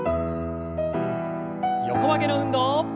横曲げの運動。